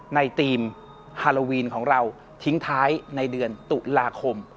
ในทีมฮาโลวีนของเราทิ้งท้ายในเดือนตุลาคม